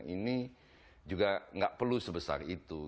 ini juga nggak perlu sebesar itu